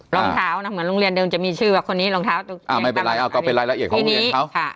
รองเท้านะเหมือนโรงเรียนเดิมจะมีชื่อว่าคนนี้รองเท้าไม่เป็นไรก็เป็นรายละเอียดของโรงเรียนเขา